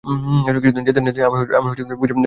কিছুদিন যেতে না যেতেই আমি বুঝে ফেললাম, লোকটি মন্দ লোক।